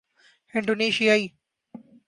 انڈونیثیائی